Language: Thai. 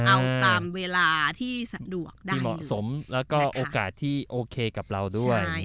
เอาตามเวลาที่สะดวกได้เหมาะสมแล้วก็โอกาสที่โอเคกับเราด้วย